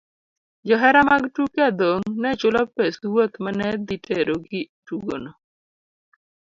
Johera mag tuke adhong' ne chulo pes wuoth ma ne dhi terogi e tugono.